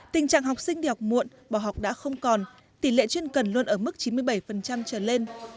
tình trạng học sinh đi học muộn bỏ học đã không còn tỷ lệ chuyên cần luôn ở mức chín mươi bảy trở lên